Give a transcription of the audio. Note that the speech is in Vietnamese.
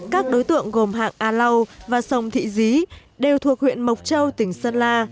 các đối tượng gồm hạng a lau và sông thị dí đều thuộc huyện mộc châu tỉnh sơn la